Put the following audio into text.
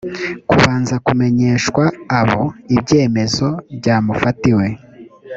kubanza kumenyeshwa abo ibyemezo byamufatiwe